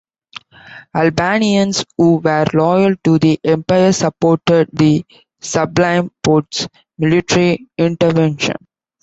Albanians who were loyal to the empire supported the Sublime Porte's military intervention.